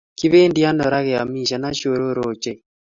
Kipendi ano raa keyamishen ashorore ochei